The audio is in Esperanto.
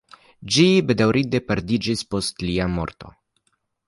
Ĝi bedaŭrinde perdiĝis post lia morto.